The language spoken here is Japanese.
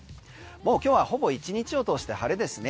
もう今日はほぼ１日を通して晴れですね。